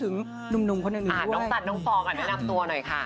นุ่มนุ่มคนนึงหนึ่งด้วย